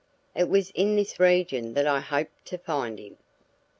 It was in this region that I hoped to find him.